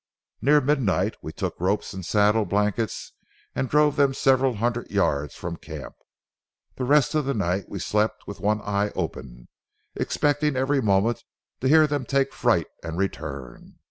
Near midnight we took ropes and saddle blankets and drove them several hundred yards from camp. The rest of the night we slept with one eye open, expecting every moment to hear them take fright and return.